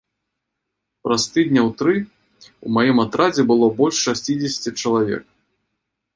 Праз тыдняў тры ў маім атрадзе было больш шасцідзесяці чалавек.